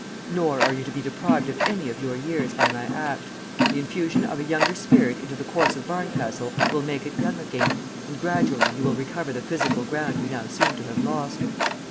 Nor are you to be deprived of any of your years by my act. The infusion of a younger spirit into the corse of Barncastle will make it young again, and gradually you will recover the physical ground you now seem to have lost.